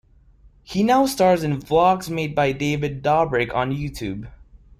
He now stars in vlogs made by David Dobrik on YouTube.